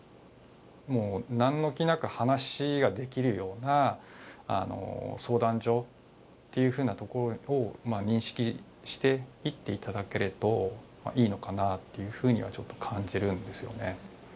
もう何の気なく話ができるような相談所っていうふうなところを認識していっていただけると、いいのかなっていうふうにはちょ